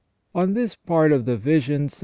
On this part of the vision St..